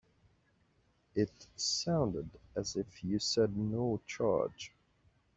It sounded as if you said no charge.